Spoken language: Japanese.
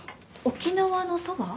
沖縄のそば？